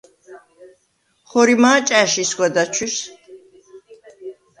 ხორიმა̄ ჭა̈შ ისგვა დაჩვირს?